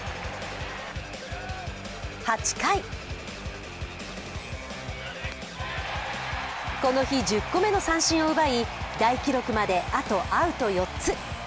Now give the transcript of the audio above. ８回この日１０個目の三振を奪い大記録まで、あとアウト４つ。